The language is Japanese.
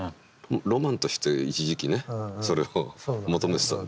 ロマンとして一時期ねそれを求めてたんだよね。